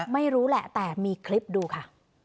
ไม่รู้แหละแต่มีคลิปดูค่ะ